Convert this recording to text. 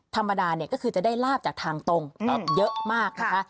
ธรรมดาเนี่ยก็คือจะได้ลาบจากทางตรงเยอะมากนะคะ